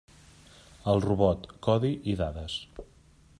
El robot: codi i dades.